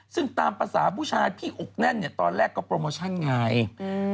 ซึ่งตามภาษาผู้ชายพี่อกแน่นเนี่ยตอนแรกก็โปรโมชั่นไงอืม